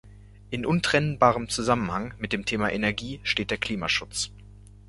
In untrennbarem Zusammenhang mit dem Thema Energie steht der Klimaschutz.